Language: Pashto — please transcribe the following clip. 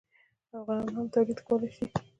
افغانان هم تولید کولی شي.